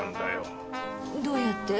どうやって？